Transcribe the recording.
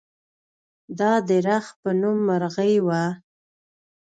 دا د رخ په نوم مرغۍ وه.